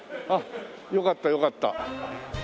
あっよかったよかった。